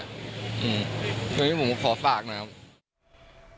อันนี้ผมขอฝากนะครับ